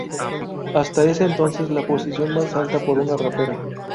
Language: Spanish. Hasta ese entonces la posición más alta por una rapera.